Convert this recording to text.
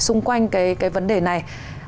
xung quanh vấn đề này